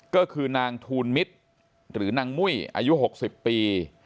ก็คือนางทูลมิตรหรือนางมุ้ยอายุ๖๐ปี